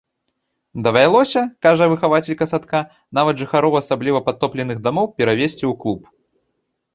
Давялося, кажа выхавацелька садка, нават жыхароў асабліва падтопленых дамоў перавезці ў клуб.